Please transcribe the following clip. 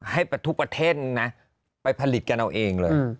ให้ทุกประเทศนะไปผลิตกันเอาเองเลย